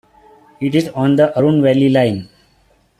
It is on the Arun Valley Line.